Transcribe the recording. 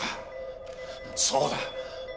そうだ。